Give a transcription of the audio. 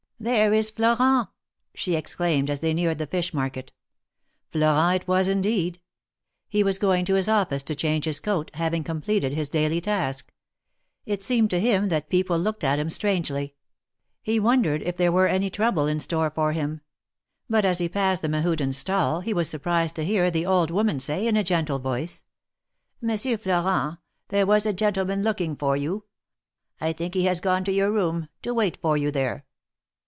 There is Florent !" she exclaimed, as they neared the fish market. Florent it was, indeed. He was going to his office to change his coat, having completed his daily task. It seemed to him that people looked at him strangely. He wondered if there were any new trouble in store for him., 19 302 THE MARKETS OF PARIS. But, as he passed the Mehudens' stall, he was surprised to hear the old woman say, in a gentle voice : Monsieur Florent, there was a gentleman looking for you. I think he has gone tovyour room, to wait for you there.